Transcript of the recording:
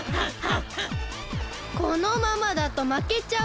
このままだとまけちゃうよ！